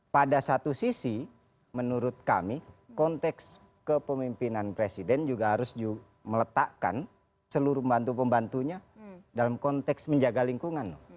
pada satu sisi menurut kami konteks kepemimpinan presiden juga harus meletakkan seluruh pembantu pembantunya dalam konteks menjaga lingkungan